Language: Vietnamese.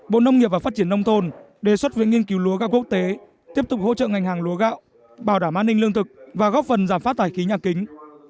bộ nông nghiệp và phát triển nông thôn đề xuất viện nghiên cứu lúa gạo quốc tế tiếp tục hỗ trợ ngành hàng lúa gạo bảo đảm an ninh lương thực và góp phần giảm phát thải khí nhà kính